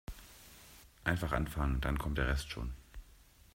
Einfach anfangen, dann kommt der Rest schon.